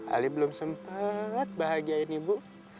ali belum sempat bahagiain ibu